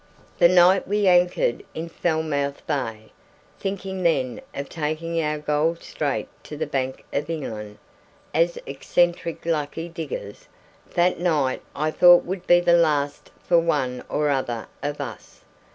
"The night we anchored in Falmouth Bay, thinking then of taking our gold straight to the Bank of England, as eccentric lucky diggers that night I thought would be the last for one or other of us.